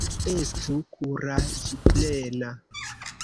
Estu Kuraĝplena!